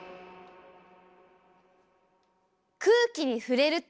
空気に触れると。